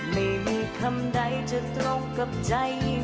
ไม่มีคำใดจะตรงกับใจ